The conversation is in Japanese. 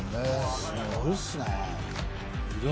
すごいっすね。